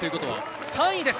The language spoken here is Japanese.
３位です。